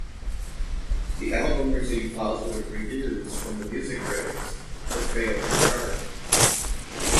The album received positive reviews from music critics but failed to chart.